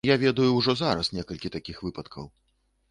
Я ведаю ўжо зараз некалькі такіх выпадкаў.